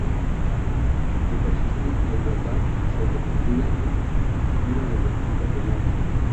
De persistir la igualdad, se recurría a tiros desde el punto penal.